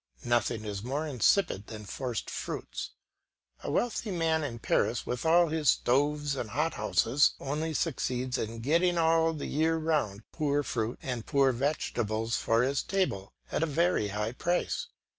Nothing is more insipid than forced fruits. A wealthy man in Paris, with all his stoves and hot houses, only succeeds in getting all the year round poor fruit and poor vegetables for his table at a very high price.